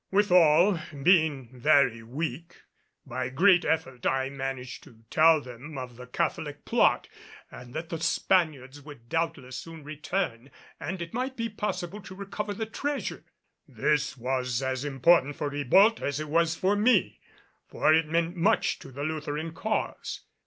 Withal, being very weak, by great effort I managed to tell them of the Catholic plot and that the Spaniards would doubtless soon return and it might be possible to recover the treasure. This was as important for Ribault as it was for me, for it meant much to the Lutheran cause.